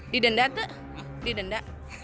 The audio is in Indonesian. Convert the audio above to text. didenda tuh didenda